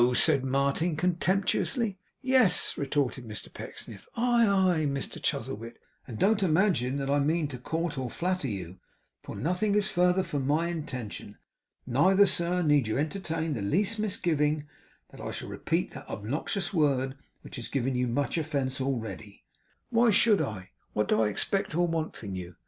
said Martin, contemptuously. 'Yes,' retorted Mr Pecksniff. 'Aye, aye, Mr Chuzzlewit; and don't imagine that I mean to court or flatter you; for nothing is further from my intention. Neither, sir, need you entertain the least misgiving that I shall repeat that obnoxious word which has given you so much offence already. Why should I? What do I expect or want from you?